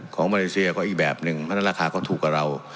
มาเลเซียก็อีกแบบหนึ่งเพราะฉะนั้นราคาก็ถูกกว่าเรา